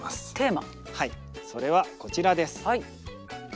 はいそれはこちらです。